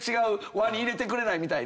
輪に入れてくれないみたいな。